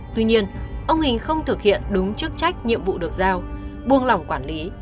tuy nhiên ông hình không thực hiện đúng chức trách nhiệm vụ được giao buông lỏng quản lý